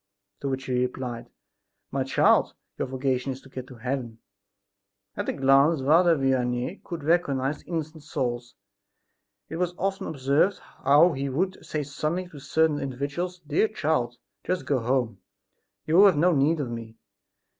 To which he replied: "My child, your vocation is to get to heaven." At a glance Father Vianney could recognize innocent souls. It was often observed how he would say suddenly to certain individuals: "Dear child, just go home; you have no need of me."